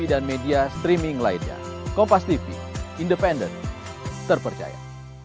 dan media streaming lainnya kompas tv independent terpercaya